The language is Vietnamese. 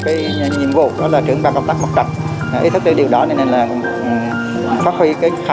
người có nhiệm vụ đó là trưởng ba công tác bậc trận ý thức đến điều đó nên là phát huy cái khả